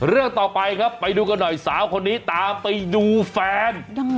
เรื่องต่อไปครับไปดูกันหน่อยสาวคนนี้ตามไปดูแฟน